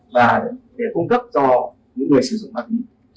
và để cung cấp cho những người sử dụng ma túy